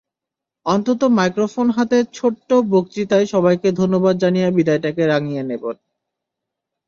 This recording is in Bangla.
অন্তত মাইক্রোফোন হাতে ছোট্ট বক্তৃতায় সবাইকে ধন্যবাদ জানিয়ে বিদায়টাকে রাঙিয়ে নেবেন।